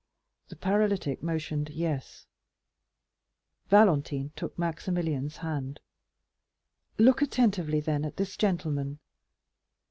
The paralytic motioned "Yes." Valentine took Maximilian's hand. "Look attentively, then, at this gentleman."